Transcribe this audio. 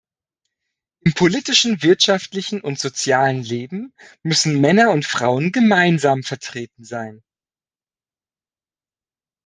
Im politischen, wirtschaftlichen und sozialen Leben müssen Männer und Frauen gemeinsam vertreten sein.